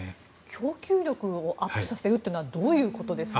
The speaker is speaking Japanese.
供給力をアップさせるというのはどういうことですか？